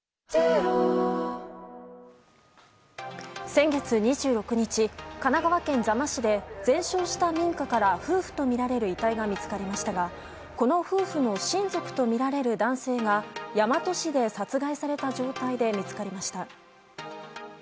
⁉先月２６日、神奈川県座間市で全焼した民家から夫婦とみられる遺体が見つかりましたがこの夫婦の親族とみられる男性が大和市で殺害された状態で見つかりました。